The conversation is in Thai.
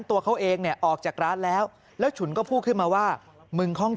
ตัวเขาเองเนี่ยออกจากร้านแล้วแล้วฉุนก็พูดขึ้นมาว่ามึงห้อง